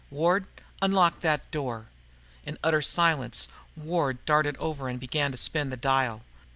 Ward, unlock that door." In utter silence, Ward darted over and began to spin the dial.